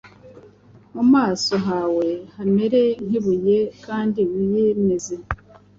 mu maso hawe hamere nk’ibuye kandi wiyemeze,